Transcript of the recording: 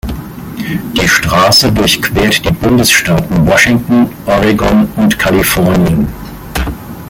Die Straße durchquert die Bundesstaaten Washington, Oregon und Kalifornien.